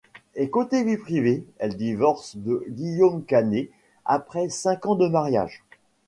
Et côté vie privée, elle divorce de Guillaume Canet après cinq ans de mariage.